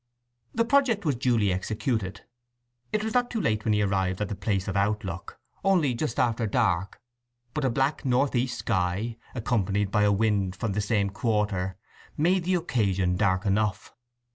The project was duly executed. It was not late when he arrived at the place of outlook, only just after dusk, but a black north east sky, accompanied by a wind from the same quarter, made the occasion dark enough.